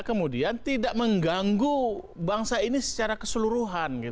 kemudian tidak mengganggu bangsa ini secara keseluruhan